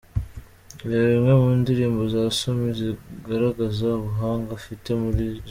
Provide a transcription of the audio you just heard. Reba Imwe mu ndirimbo za Somi zigaragaza ubuhanga afite muri Jazi.